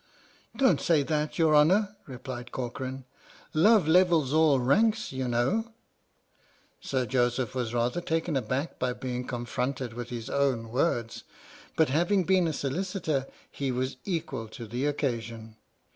" Don't say that, your Honour," replied Corcoran, " Love levels all ranks, you know! " Sir Joseph was rather taken aback by being con fronted with his own words. But, having been a solicitor, he was equal to the occasion.